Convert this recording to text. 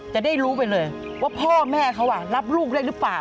จะได้รู้ไปเลยว่าพ่อแม่เขารับลูกได้หรือเปล่า